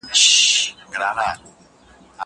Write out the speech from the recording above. زه پرون تمرين وکړل؟!